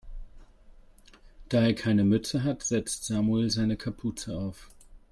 Da er keine Mütze hat, setzt Samuel seine Kapuze auf.